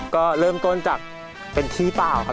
ก็เริ่มต้นจากเป็นที่เปล่าครับ